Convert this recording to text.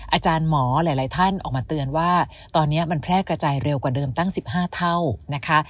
อาจารย์หมอหลายท่านออกมาเตือนว่าตอนนี้มันแพร่กระจายเร็วกว่าเดิมตั้ง๑๕เท่านะคะ